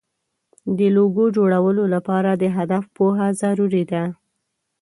د لوګو جوړولو لپاره د هدف پوهه ضروري ده.